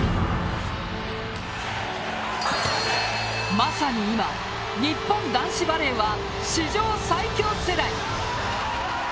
まさに今、日本男子バレーは史上最強世代。